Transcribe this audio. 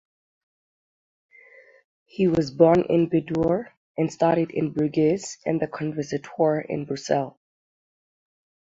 He was born in Bordeaux and studied in Bruges and the conservatoire in Brussels.